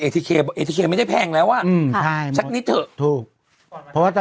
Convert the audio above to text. ทีเคบอกเอทีเคไม่ได้แพงแล้วอ่ะอืมใช่สักนิดเถอะถูกเพราะว่าถ้า